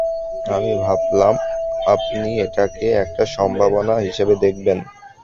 আমি ভাবলাম আপনি এটাকে একটা সম্ভাবনা হিসেবে দেখবেন।